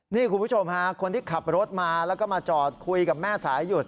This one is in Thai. นี่คุณผู้ชมฮะคนที่ขับรถมาแล้วก็มาจอดคุยกับแม่สายหยุด